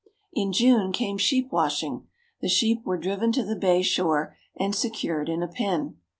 In June came sheep washing. The sheep were driven to the bay shore and secured in a pen.